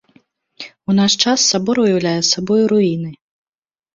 У наш час сабор уяўляе сабой руіны.